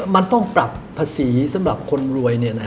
มันต้องปรับภาษีสำหรับคนรวย